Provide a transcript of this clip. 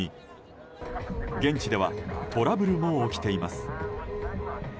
現地ではトラブルも起きています。